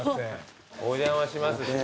お邪魔します。